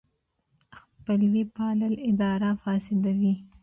خپلوي پالل اداره فاسدوي.